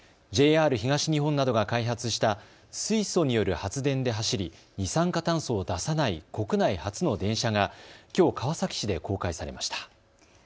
ＪＲ東日本などが開発した水素による発電で走り二酸化炭素を出さない国内初の電車がきょう川崎市で公開されました。